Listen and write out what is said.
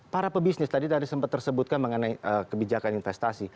para pebisnis tadi tadi sempat tersebutkan mengenai kebijakan investasi